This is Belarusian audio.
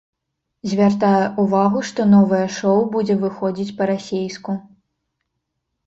Звяртае ўвагу, што новае шоу будзе выходзіць па-расейску.